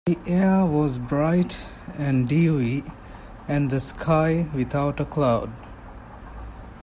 The air was bright and dewy and the sky without a cloud.